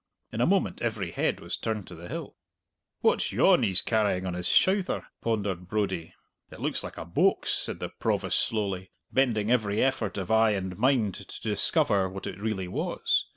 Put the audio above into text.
In a moment every head was turned to the hill. "What's yon he's carrying on his shouther?" pondered Brodie. "It looks like a boax," said the Provost slowly, bending every effort of eye and mind to discover what it really was.